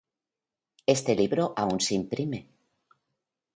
Este libro aún se imprime.